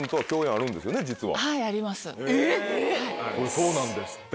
そうなんですって。